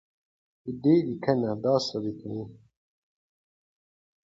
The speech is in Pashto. د ده لیکنې دا ثابتوي.